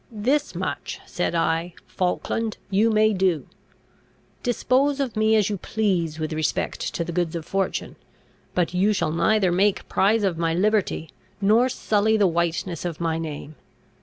Thus much, said I, Falkland! you may do. Dispose of me as you please with respect to the goods of fortune; but you shall neither make prize of my liberty, nor sully the whiteness of my name.